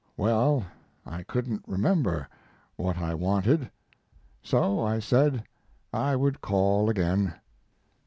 Well, I couldn't remember what I wanted, so I said I would call again.